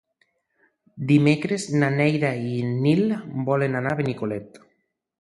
Dimecres na Neida i en Nil volen anar a Benicolet.